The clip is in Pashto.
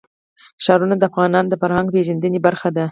ښارونه د افغانانو د فرهنګي پیژندنې برخه ده.